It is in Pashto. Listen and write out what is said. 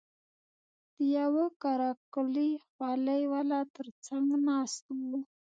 د يوه قره قلي خولۍ والا تر څنگ ناست و.